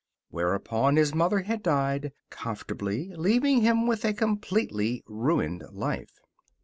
Whereupon his mother had died, comfortably, leaving him with a completely ruined life.